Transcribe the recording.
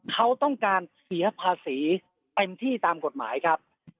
เขาต้องการเสียภาษีเต็มที่ตามกฎหมายครับ